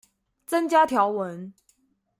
增加條文